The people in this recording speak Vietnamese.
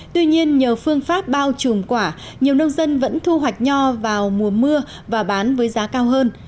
tuy nhiên nhờ phương pháp bao trùm quả nhiều nông dân vẫn thu hoạch nho vào mùa mưa và bán với giá cao hơn